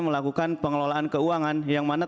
melakukan pengelolaan keuangan yang mana